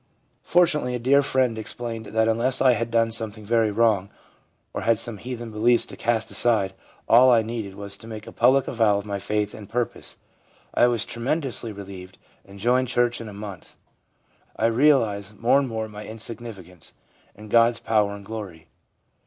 Fortunately a dear friend ex GROWTH WITHOUT DEFINITE TRANSITIONS 301 plained that unless I had done something very wrong, or had some heathen beliefs to cast aside, all I needed was to make a public avowal of my faith and purpose. I was tremendously relieved, and joined church in a month. I realise more and more my insignificance, and God's power and glory.'